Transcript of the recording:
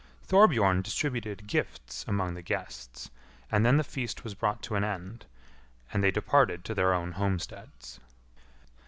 Thorbjorn distributed gifts among the guests, and then the feast was brought to an end, and they departed to their own homesteads.